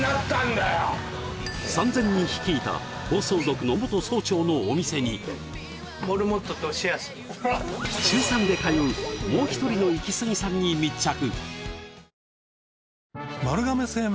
３０００人率いた暴走族の元総長のお店に週３で通うもう一人のイキスギさんに密着！